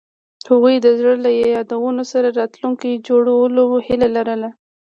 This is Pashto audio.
هغوی د زړه له یادونو سره راتلونکی جوړولو هیله لرله.